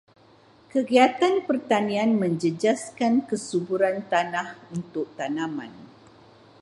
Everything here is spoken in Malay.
Kegiatan pertanian menjejaskan kesuburan tanah untuk tanaman.